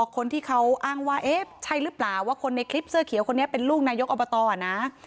คนที่เขาอ้างว่าเอ๊ะใช่หรือเปล่าว่าคนในคลิปเสื้อเขียวคนนี้เป็นลูกนายกอบตนะ